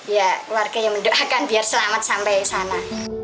ya warga yang mendoakan biar selamat sampai sana